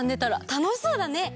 たのしそうだね！